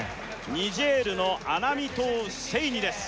ニジェールのアナミトウ・セイニです